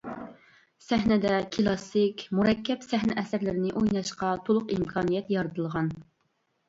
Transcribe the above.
سەھنىدە كىلاسسىك، مۇرەككەپ سەھنە ئەسەرلىرىنى ئويناشقا تولۇق ئىمكانىيەت يارىتىلغان.